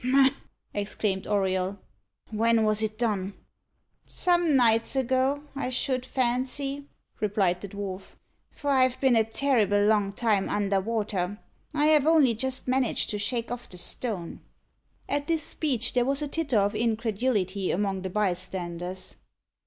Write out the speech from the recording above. "Ha!" exclaimed Auriol. "When was it done?" "Some nights ago, I should fancy," replied the dwarf, "for I've been a terrible long time under water. I have only just managed to shake off the stone." At this speech there was a titter of incredulity among the bystanders.